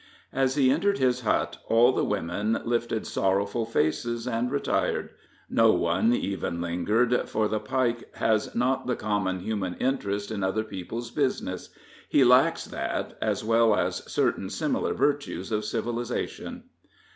As he entered his hut, all the women lifted sorrowful faces and retired; no one even lingered, for the Pike has not the common human interest in other people's business; he lacks that, as well as certain similar virtues of civilization.